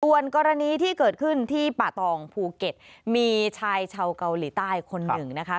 ส่วนกรณีที่เกิดขึ้นที่ป่าตองภูเก็ตมีชายชาวเกาหลีใต้คนหนึ่งนะคะ